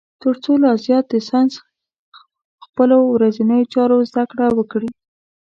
تر څو لا زیات د ساینس خپلو ورځنیو چارو زده کړه وکړي.